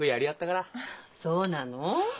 そうなの？